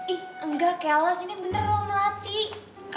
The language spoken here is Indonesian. ih enggak kelas ini bener lo melatih